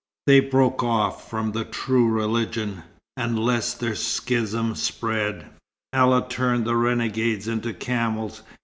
They broke off from the true religion, and lest their schism spread, Allah turned the renegades into camels.